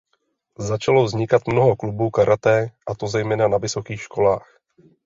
Začalo vznikat mnoho klubů karate a to zejména na vysokých školách.